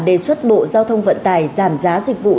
đề xuất bộ giao thông vận tải giảm giá dịch vụ